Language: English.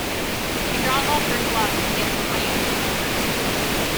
She draws off her glove to get some money from her purse.